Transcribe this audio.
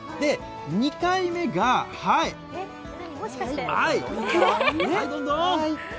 ２回目がはいはい、どんどん！